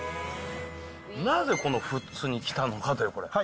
なぜこの富津に来たのかという、これ。